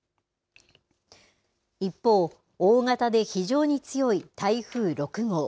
一方、大型で非常に強い台風６号。